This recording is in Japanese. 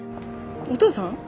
お父さん？